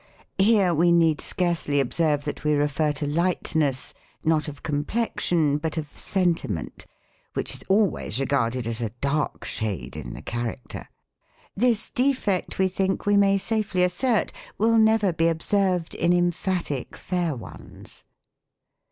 Here we need scarcely observe, that we refer to light ness, not of complexion, but of sentiment, which is al ways regarded as a dark shade in the character. This defect, we think, we may safely assert, will never be observed in emphatic fair ones.